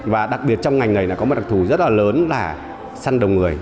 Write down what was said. và đặc biệt trong ngành này có một đặc thù rất là lớn là săn đồng người